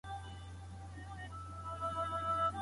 آیا په مخامخ ټولګیو کي بحثونه له انټرنیټي ټولګیو خوندور دي؟